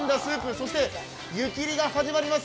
そして、湯切りが始まります！